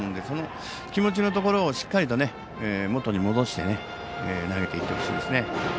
その気持ちのところをしっかりと元に戻して投げていってほしいですね。